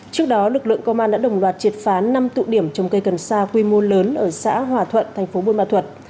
trước đó lực lượng công an đã đồng loạt triệt phá năm tụ điểm trồng cây cần sa quy mô lớn ở xã hòa thuận thành phố buôn ma thuật